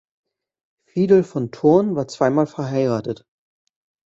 Fidel von Thurn war zweimal verheiratet.